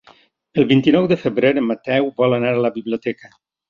El vint-i-nou de febrer en Mateu vol anar a la biblioteca.